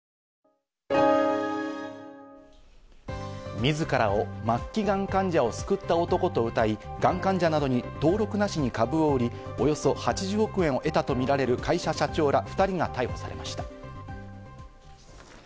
自らを「末期ガン患者を救った男とうたい」、ガン患者などに登録なしに株を売り、およそ８０億円を得たとみられる、会社社長ら２人が逮捕されました。